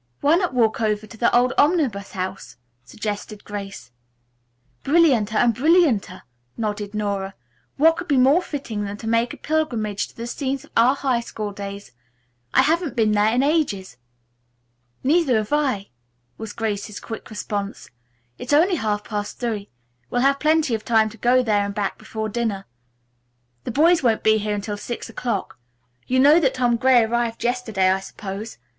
"Why not walk over to the old Omnibus House," suggested Grace. "Brillianter and brillianter," nodded Nora. "What could be more fitting than to make a pilgrimage to the scenes of our high school days? I haven't been there in ages." "Neither have I," was Grace's quick response. "It's only half past three. We'll have plenty of time to go there and back before dinner. The boys won't be here until six o'clock. You know that Tom Gray arrived yesterday, I suppose?